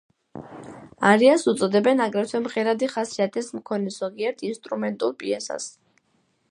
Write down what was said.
არიას უწოდებენ აგრეთვე მღერადი ხასიათის მქონე ზოგიერთ ინსტრუმენტულ პიესას.